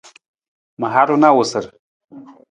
Ma haru na awusar.